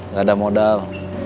gak ada modal